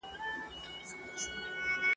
کندهار د تاریخ مهم ښار دی.